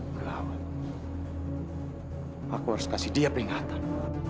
berlawan aku harus kasih dia peringatan